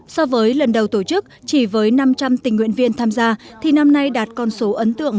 so với lần đầu tổ chức chỉ với năm trăm linh tình nguyện viên tham gia thì năm nay đạt con số ấn tượng